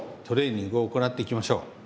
トレーニングを行っていきましょう。